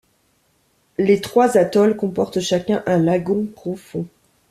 Les trois atolls comportent chacun un lagon profond.